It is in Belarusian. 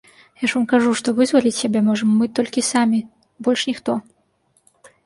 Я ж вам кажу, што вызваліць сябе можам мы толькі самі, больш ніхто.